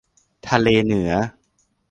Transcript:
ทะเลเหนือ